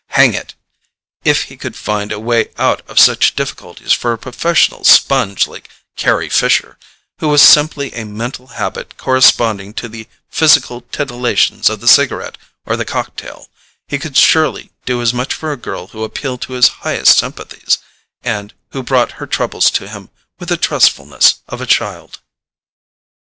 Hang it, if he could find a way out of such difficulties for a professional sponge like Carry Fisher, who was simply a mental habit corresponding to the physical titillations of the cigarette or the cock tail, he could surely do as much for a girl who appealed to his highest sympathies, and who brought her troubles to him with the trustfulness of a child.